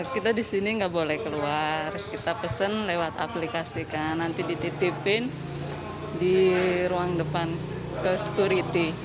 kita di sini nggak boleh keluar kita pesen lewat aplikasi kan nanti dititipin di ruang depan ke security